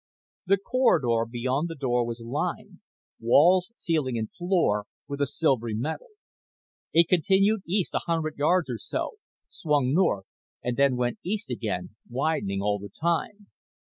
The corridor beyond the door was lined walls, ceiling and floor with a silvery metal. It continued east a hundred yards or so, swung north and then went east again, widening all the time.